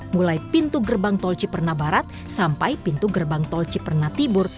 mulai pintu gerbang tol ciperna barat sampai pintu gerbang tol ciperna tibur